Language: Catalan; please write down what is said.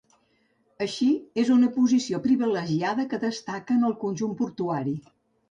Així, és en una posició privilegiada que destaca en el conjunt portuari.